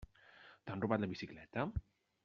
T'han robat la bicicleta?